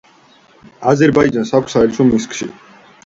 აზერბაიჯანს აქვს საელჩო მინსკში.